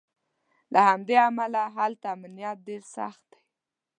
له همدې امله هلته امنیت ډېر سخت دی.